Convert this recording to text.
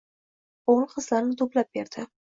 O‘g‘il-qizlarni to‘plab berdi.